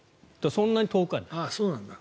そんなに遠くない。